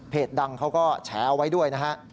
เพจดังเขาก็แฉวไว้ด้วยนะฮะ